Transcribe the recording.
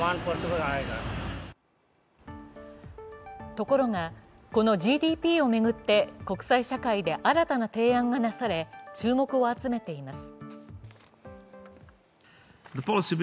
ところがこのＧＤＰを巡って国際社会で新たな提案がなされ注目を集めています。